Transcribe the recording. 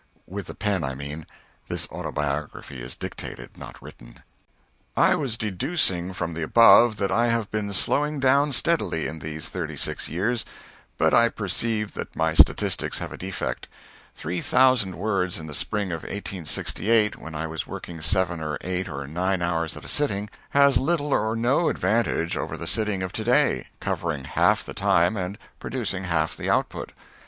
I was deducing from the above that I have been slowing down steadily in these thirty six years, but I perceive that my statistics have a defect: three thousand words in the spring of 1868 when I was working seven or eight or nine hours at a sitting has little or no advantage over the sitting of to day, covering half the time and producing half the output.